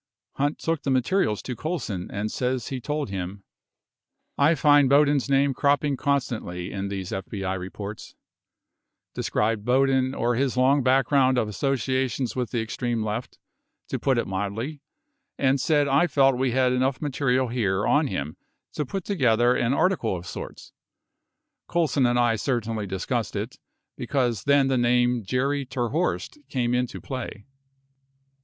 Hunt took the materials to Colson and says he told him :I find Boudin's name cropping constantly in these FBI reports, described Boudin or his long background of associations with the extreme left, to put it mildly, and said I felt we had enough material here on him to put together an article of sorts Colson and I certainly discussed it, because then the name Jerry terHorst came into play.